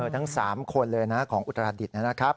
ทั้ง๓คนเลยนะของอุตราดิษฐ์นะครับ